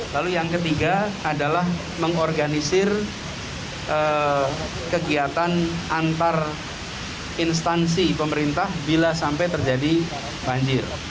lalu yang ketiga adalah mengorganisir kegiatan antar instansi pemerintah bila sampai terjadi banjir